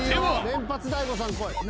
連発大悟さん来い。